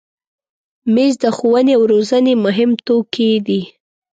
مېز د ښوونې او روزنې مهم توکي دي.